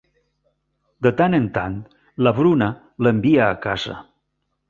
De tant en tant, la Bruna l'envia a casa.